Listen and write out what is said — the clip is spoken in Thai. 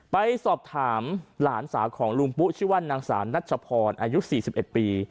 ไปสอบถามหลานสาวของลุงปุ๊ชื่อว่านางสาวนัชพรอายุ๔๑ปี